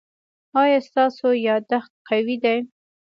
ایا ستاسو یادښت قوي دی؟